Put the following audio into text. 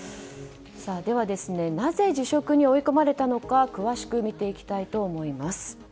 では、なぜ辞職に追い込まれたのか詳しく見ていきたいと思います。